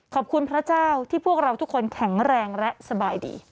พระเจ้าที่พวกเราทุกคนแข็งแรงและสบายดี